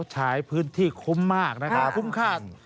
ใช้พื้นที่คุ้มมากนะครับคุ้มค่า